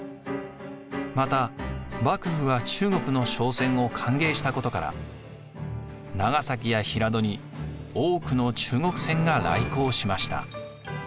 また幕府は中国の商船を歓迎したことから長崎や平戸に多くの中国船が来航しました。